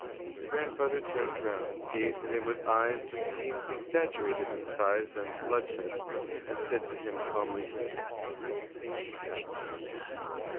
The grandfather turned round, gazed at him with eyes which seemed exaggerated in size and bloodshot, and said to him calmly: "I thank you, sir.